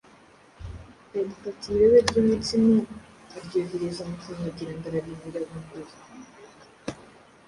Yagufatiye irobe ry’umutsima aryohereza mu kanwa agira ngo ararimira bunguri